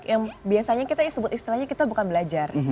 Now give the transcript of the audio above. yang biasanya kita sebut istilahnya kita bukan belajar